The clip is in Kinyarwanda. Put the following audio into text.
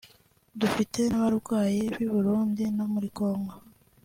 dufite n’abarwayi b’i Burundi no muri Congo